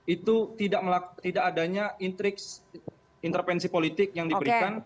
itu tidak adanya intriks intervensi politik yang diberikan